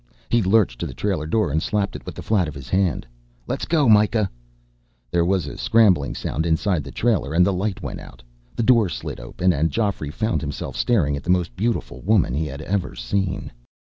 He lurched to the trailer door and slapped it with the flat of his hand. "Let's go, Myka." There was a scrambling sound inside the trailer, and the light went out. The door slid open, and Geoffrey found himself staring at the most beautiful woman he had ever seen.